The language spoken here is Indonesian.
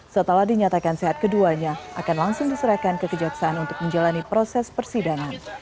setelah dinyatakan sehat keduanya akan langsung diserahkan ke kejaksaan untuk menjalani proses persidangan